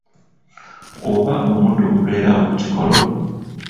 Oba omuddo ogubeera awo ku kikolo.